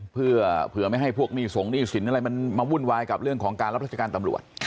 เพื่อไม่ให้พวกหนี้ส่งหนี้สินอะไรมันมาวุ่นวายกับเรื่องของการรับราชการตำรวจ